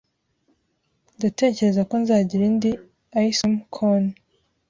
Ndatekereza ko nzagira indi ice cream cone